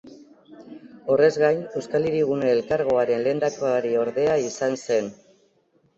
Horrez gain, Euskal Hirigune Elkargoaren lehendakariordea izan zen.